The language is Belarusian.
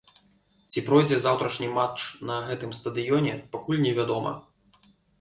Ці пройдзе заўтрашні матч на гэтым стадыёне, пакуль невядома.